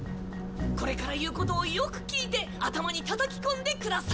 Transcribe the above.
これから言うことをよく聞いて頭にたたき込んでください。